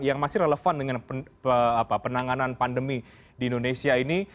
yang masih relevan dengan penanganan pandemi di indonesia ini